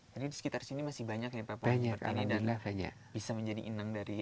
jadi di sekitar sini masih banyak nih pak pak banyak alhamdulillah banyak bisa menjadi inang dari